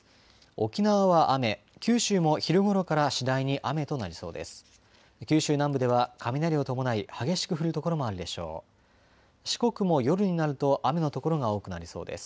沖縄は雨、九州も昼ごろから次第に雨となりそうです。